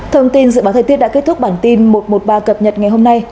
thông tin dự báo thời tiết đã kết thúc bản tin một trăm một mươi ba cập nhật ngày hôm nay